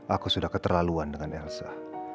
aku sudah keterlaluan dengan elsa